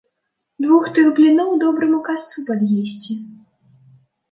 Двух тых бліноў добраму касцу пад'есці.